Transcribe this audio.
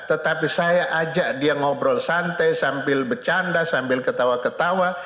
tetapi saya ajak dia ngobrol santai sambil bercanda sambil ketawa ketawa